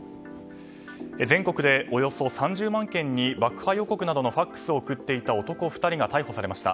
全国で、およそ３０万件に爆破予告などのＦＡＸを送っていた男２人が逮捕されました。